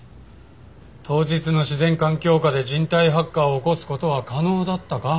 当日の自然環境下で人体発火を起こす事は可能だったか？